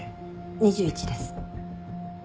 ２１です。